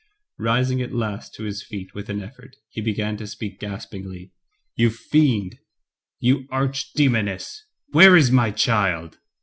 Rising at last to his feet with an effort, he began to speak gaspingly, "You fiend, you arch demoness, where is my child?